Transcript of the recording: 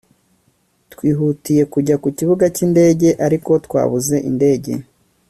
twihutiye kujya ku kibuga cy'indege, ariko twabuze indege